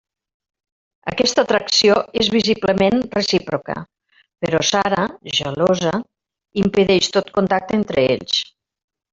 Aquesta atracció és visiblement recíproca, però Sara, gelosa, impedeix tot contacte entre ells.